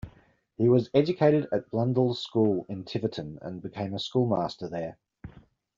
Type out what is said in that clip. He was educated at Blundells School in Tiverton, and became a schoolmaster there.